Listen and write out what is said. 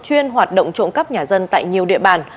chuyên hoạt động trộm cắp nhà dân tại nhiều địa bàn